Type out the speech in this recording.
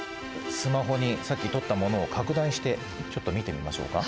スマホにさっき撮ったものを拡大してちょっと見てみましょうか。